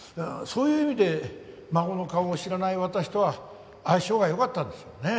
そういう意味で孫の顔を知らない私とは相性が良かったんでしょうね。